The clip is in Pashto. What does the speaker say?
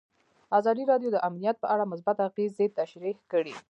ازادي راډیو د امنیت په اړه مثبت اغېزې تشریح کړي.